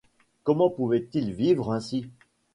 Comment pouvait-il vivre ainsi ?